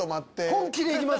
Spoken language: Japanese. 本気でいきます。